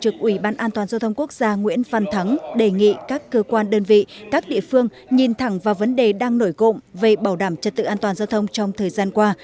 ủy ban an toàn giao thông quốc gia nguyễn văn thắng đề nghị các cơ quan đơn vị các địa phương nhìn thẳng vào vấn đề đang nổi cộng về bảo đảm trật tự an toàn giao thông trong thời gian qua